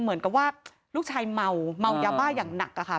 เหมือนกับว่าลูกชายเมาเมายาบ้าอย่างหนักอะค่ะ